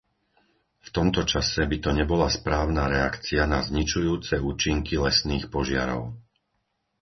V tomto čase by to nebola správna reakcia na zničujúce účinky lesných požiarov.